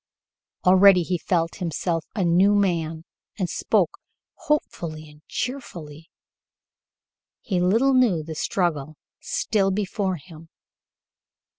Already he felt himself a new man, and spoke hopefully and cheerfully. He little knew the struggle still before him.